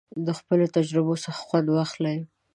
د خپلو تجربو څخه خوند واخلئ.